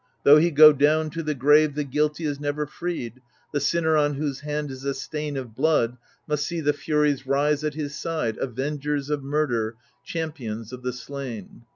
" Though he go down to the grave, the guilty is never freed ... the sinner on whose hand is the stain of blood must see the Furies rise at his side, avengers of murder, champions of the slain."